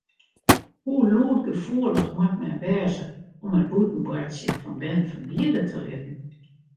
Hoe lûdgefoelich moat men wêze om it bûten boartsjen fan bern ferbiede te litten?